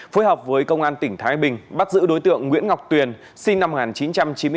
phối hợp với công an tỉnh thái bình bắt giữ đối tượng nguyễn ngọc tuyền sinh năm một nghìn chín trăm chín mươi bốn